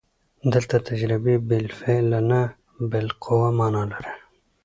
دلته تجربې بالفعل نه، بالقوه مانا لري.